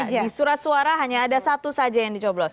di surat suara hanya ada satu saja yang dicoblos